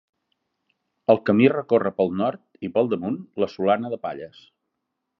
El camí recorre pel nord, i pel damunt, la Solana de Palles.